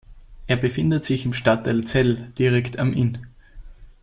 Er befindet sich im Stadtteil Zell, direkt am Inn.